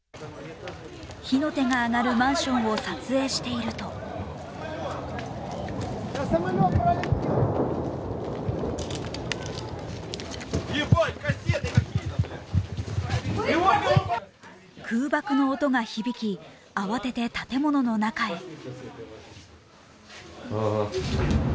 火の手が上がるマンションを撮影していると空爆の音が響き、慌てて建物の中へ。